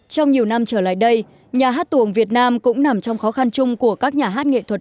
trong nhiều năm trở lại đây nhà hát tuồng việt nam cũng nằm trong khó khăn chung của các nhà hát nghệ thuật